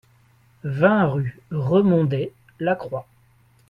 vingt rue Remondet Lacroix